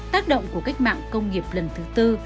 tác động của cách mạng công nghiệp lần thứ tư